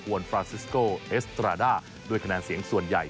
ฟราซิสโกเอสตราด้าด้วยคะแนนเสียงส่วนใหญ่